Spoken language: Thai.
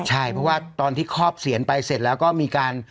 ใช่เพราะว่าตอนที่ครอบเสียนไปเสร็จแล้วก็มีการ